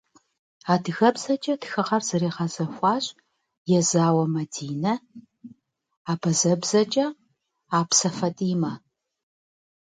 АдыгэбзэкӀэ тхыгъэр зэригъэзэхуащ Езауэ Мадинэ, абазэбэкӀэ - Апсэ ФатӀимэ.